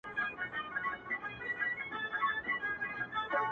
د ده د چا نوم پر ځيگر دی” زما زړه پر لمبو”